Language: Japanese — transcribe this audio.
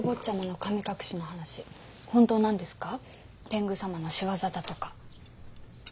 天狗様の仕業だとか。